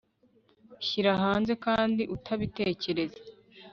shyira hanze kandi utabitekereza